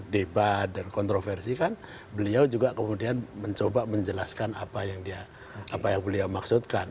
debat dan kontroversi kan beliau juga kemudian mencoba menjelaskan apa yang beliau maksudkan